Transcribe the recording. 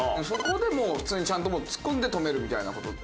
そこでもう普通にちゃんとツッコんで止めるみたいな事？